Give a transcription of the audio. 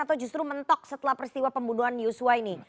atau justru mentok setelah peristiwa pembunuhan yusua ini